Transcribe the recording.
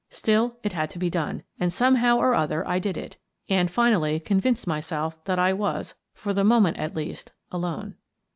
Still, it had to be done, and, somehow or other, I did it, and finally convinced myself that I was, for the moment at least, alone.